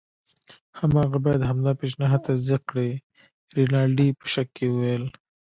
هماغه باید همدا پیشنهاد تصدیق کړي. رینالډي په شک وویل.